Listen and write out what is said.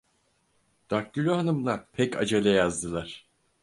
Daktilo hanımlar pek acele yazdılar.